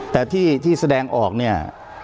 แต่ที่แสดงออกเนี่ย